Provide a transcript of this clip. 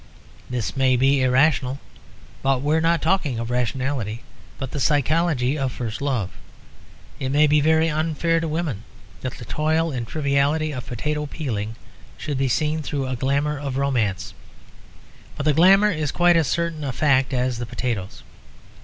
This may be irrational; but we are not talking of rationality, but of the psychology of first love. It may be very unfair to women that the toil and triviality of potato peeling should be seen through a glamour of romance; but the glamour is quite as certain a fact as the potatoes.